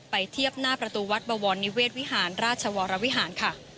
เทียบหน้าประตูวัดบวรนิเวศวิหารราชวรวิหารค่ะ